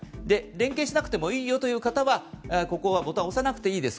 連携しなくてもいいよという方はここはボタンを押さなくていいです。